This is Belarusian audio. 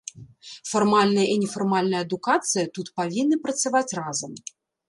Фармальная і нефармальная адукацыя тут павінны працаваць разам.